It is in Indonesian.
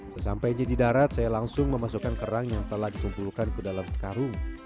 sesampainya di darat saya langsung memasukkan kerang yang telah dikumpulkan ke dalam karung